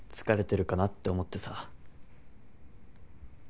疲れてるかなって思ってさ。